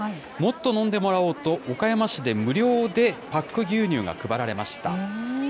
もっと飲んでもらおうと、岡山市で無料でパック牛乳が配られました。